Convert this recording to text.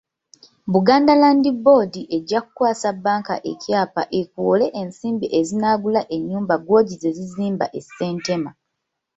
Buganda Land Board ejja kukwasa bbanka ekyapa ekuwole ensimbi ezinaagula ennyumba Guoji z'ezimba e Ssentema.